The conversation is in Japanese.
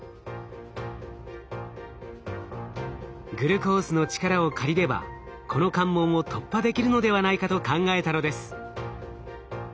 グルコースの力を借りればこの関門を突破できるのではないかと考えたのです。